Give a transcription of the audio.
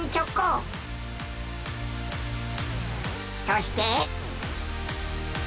そして。